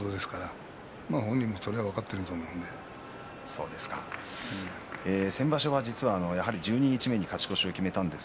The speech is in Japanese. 本人もそれを分かっていると先場所は実は十二日目に勝ち越しを決めていました。